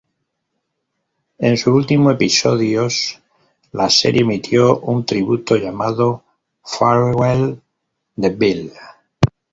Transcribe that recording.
En su último episodios la serie emitió un tributo llamado "Farewell The Bill".